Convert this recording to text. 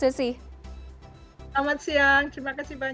selamat siang terima kasih banyak